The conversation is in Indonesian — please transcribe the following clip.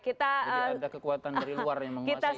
jadi ada kekuatan dari luar yang menguasai indonesia